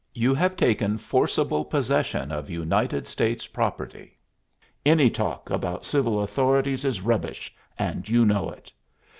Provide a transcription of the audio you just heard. "You have taken forcible possession of United States property. Any talk about civil authorities is rubbish, and you know it."